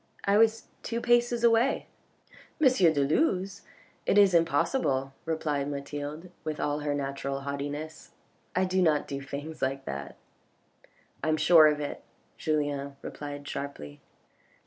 I was two paces away." " M. de Luz? It is impossible," replied Mathilde with all her natural haughtiness. " I do not do things like that." " I am sure of it," Julien replied sharply.